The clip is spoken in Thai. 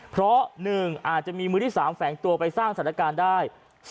เพราะ๑อาจจะมีมือที่๓แฝงตัวไปสร้างสถานการณ์ได้